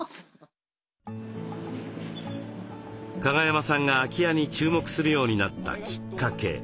加賀山さんが空き家に注目するようになったきっかけ。